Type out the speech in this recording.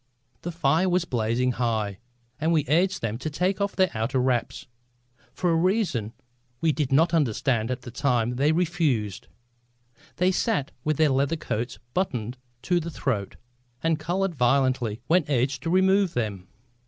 The fire was blazing high and we urged them to take off their outer wraps. For a reason which we did not understand at the time they refused. They sat with their leather coats buttoned to the throat, and coloured violently when urged to remove them.